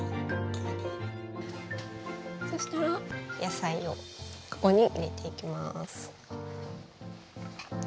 そしたら野菜をここに入れていきます。